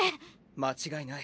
間違いない。